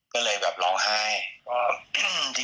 ก็เลยแบบร้องไห้